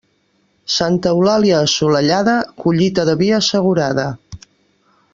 Santa Eulàlia assolellada, collita de vi assegurada.